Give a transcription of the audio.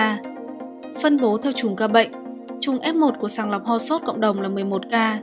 phân bổ theo chủng ca bệnh chủng f một của sàng lọc ho sốt cộng đồng là một mươi một ca